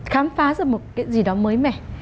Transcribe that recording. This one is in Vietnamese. khám phá ra một cái gì đó mới mẻ